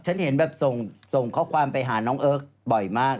ฉันเห็นแบบส่งข้อความไปหาน้องเอิร์กบ่อยมาก